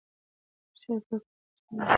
شعر په کره کېښکلې ژبه لري.